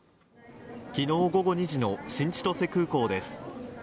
昨日午後２時の新千歳空港です。